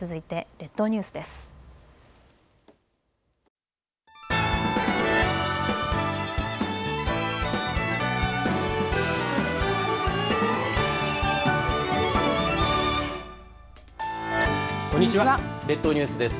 列島ニュースです。